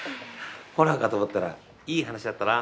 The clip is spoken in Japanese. ホラーかと思ったらいい話だったな。